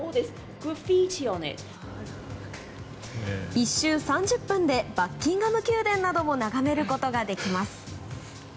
１周３０分でバッキンガム宮殿なども眺めることができます。